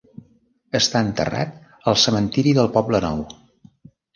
Està enterrat al Cementiri del Poblenou.